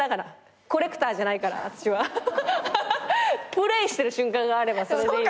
プレイしてる瞬間があればそれでいい。